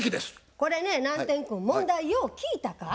これね南天君問題よう聞いたか？